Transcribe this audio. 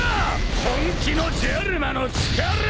本気のジェルマの力！